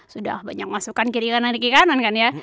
sudah banyak masukan kiri kanan kiri kanan kan ya